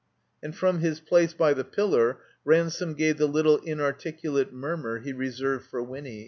And from his place by the pillar Ransome gave the little inarticulate mtirmur he reserved for Winny.